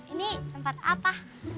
ini tempat apa